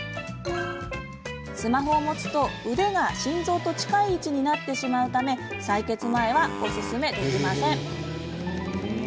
スマホを持つと腕が心臓と近い位置になってしまうため採血前はおすすめできません。